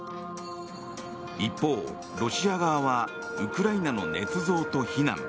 一方、ロシア側はウクライナのねつ造と非難。